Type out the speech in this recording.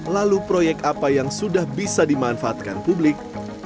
lalu proyek apa yang sudah bisa dimanfaatkan publik